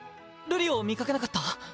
瑠璃を見かけなかった？